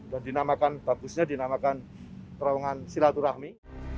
dan dinamakan bagusnya dinamakan terowongan silaturahmi